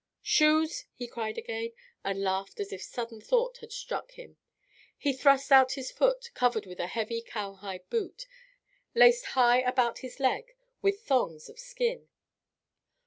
"Shoes?" he cried again, and laughed as if a sudden thought had struck him. He thrust out his foot, covered with a heavy cowhide boot, laced high about his leg with thongs of skin.